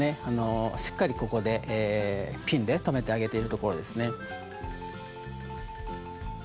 あのしっかりここでピンで留めてあげているところですね。